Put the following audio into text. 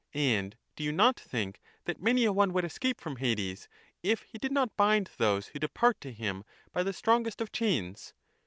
And do you not think that many a one would escape from Hades, if he did not bind those who depart to him by the strongest of chains?